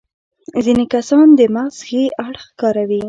ځينې کسان د مغز ښي اړخ کاروي.